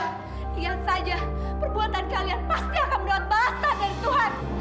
lihat saja perbuatan kalian pasti akan melihat basah dari tuhan